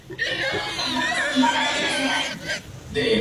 Sus padres son judíos.